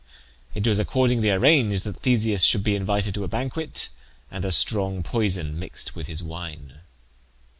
It was accordingly arranged that Theseus should be invited to a banquet, and a strong poison mixed with his wine.